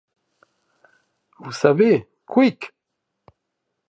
Vous savez, couic !